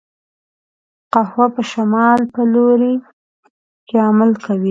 قوه په شمال په لوري کې عمل کوي.